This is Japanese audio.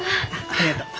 ありがとう。